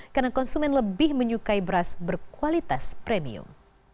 karena konsumen lebih menyukai beras berkualitas premium